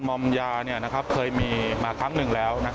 มอมยาเคยมีมาครั้งหนึ่งแล้ว